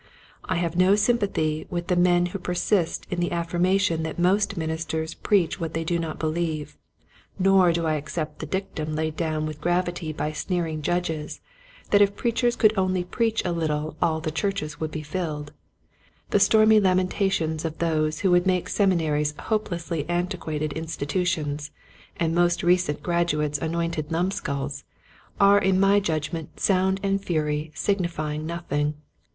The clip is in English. I have no sympathy with the men who persist in the affirma tion that most ministers preach what they do not believe, nor do I accept the dictum 4 Quiet Hints to Growing Preachers, laid down with gravity by sneering judges that if preachers could only preach a little all the churches would be filled. The stormy lamentations of those who would make the Seminaries hopelessly antiquated institutions and most recent graduates anointed numskulls, are in my judgment sound and fury signifying nothing.